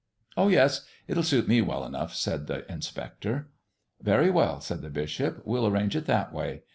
"Oh yes; it'll suit me well enough," said the inspector. "Very well," said the bishop, "we'll arrange it that way.